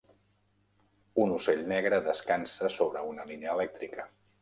Un ocell negre descansa sobre una línia elèctrica